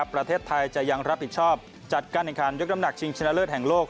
ประเทศไทยจะยังรับผิดชอบจัดการแข่งขันยกน้ำหนักชิงชนะเลิศแห่งโลก